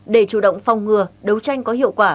để chủ động phòng ngừa đấu tranh có hiệu quả